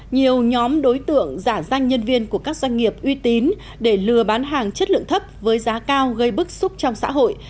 nhiều nhóm đối tượng giả danh nhân viên của các doanh nghiệp uy tín để lừa bán hàng chất lượng thấp với giá cao gây bức xúc trong xã hội